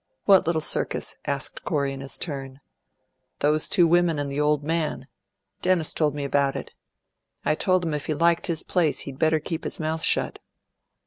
"What little circus?" asked Corey in his turn. "Those two women and the old man. Dennis told me about it. I told him if he liked his place he'd better keep his mouth shut."